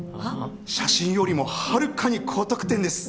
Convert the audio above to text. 写真よりもはるかに高得点です！